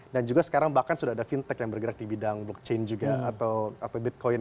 dan juga sekarang bahkan sudah ada vintech yang bergerak di bidang blockchain juga atau bitcoin